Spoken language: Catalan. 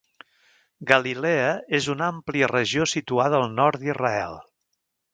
Galilea és una àmplia regió situada al nord d'Israel.